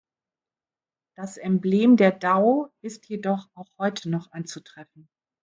Das Emblem der Dau ist jedoch auch heute noch anzutreffen.